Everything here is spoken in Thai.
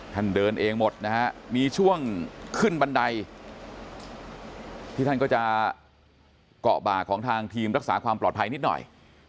เดินเองหมดนะฮะมีช่วงขึ้นบันไดที่ท่านก็จะเกาะบากของทางทีมรักษาความปลอดภัยนิดหน่อย